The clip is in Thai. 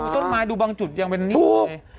ต้นไม้ดูบางจุดยังเป็นนิดหนึ่งถูก